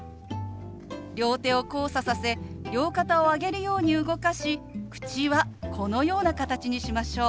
両手を交差させ両肩を上げるように動かし口はこのような形にしましょう。